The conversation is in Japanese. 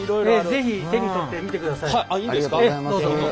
是非手に取って見てください。